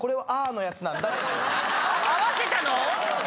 合わせたの？